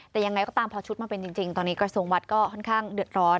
แต่ยังไงก็ตามพอชุดมาเป็นจริงตอนนี้กระทรวงวัดก็ค่อนข้างเดือดร้อน